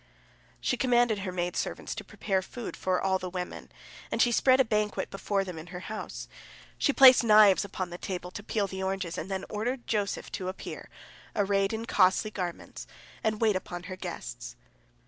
She commanded her maid servants to prepare food for all the women, and she spread a banquet before them in her house. She placed knives upon the table to peel the oranges, and then ordered Joseph to appear, arrayed in costly garments, and wait upon her guests.